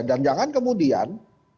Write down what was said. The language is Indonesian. dan jangan kemudian